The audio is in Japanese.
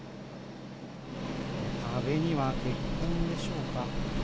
壁には血痕でしょうか。